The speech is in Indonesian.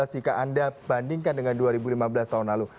jika anda bandingkan dengan dua ribu lima belas tahun lalu